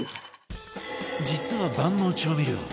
実は万能調味料！